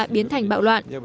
biến thành bạo loạn